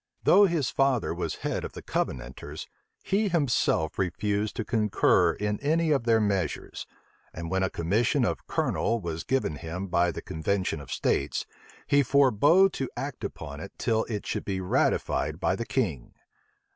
Though his father was head of the Covenanters, he himself refused to concur in any of their measures; and when a commission of colonel was given him by the convention of states, he forbore to act upon it till it should be ratified by the king.